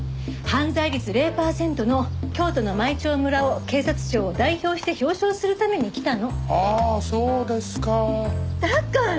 犯罪率０パーセントの京都の舞澄村を警察庁を代表して表彰するために来たの。